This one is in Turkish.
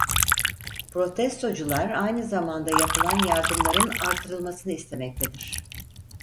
Protestocular aynı zamanda yapılan yardımların artırılmasını istemektedir.